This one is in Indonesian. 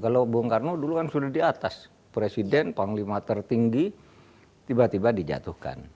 kalau bung karno dulu kan sudah di atas presiden panglima tertinggi tiba tiba dijatuhkan